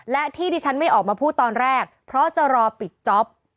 และที่ที่ฉันไม่ออกมาพูดตอนแรกเพราะจะรอปิดจ๊อป